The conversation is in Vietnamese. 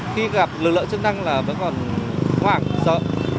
khi gặp lực lượng chức năng là vẫn còn khủng hoảng sợ